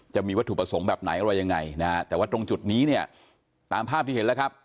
จะมีวัตถุประสงค์แบบไหนอะไรยังไงนะฮะแต่ว่าตรงจุดนี้เนี่ยตามภาพที่เห็นแล้วครับ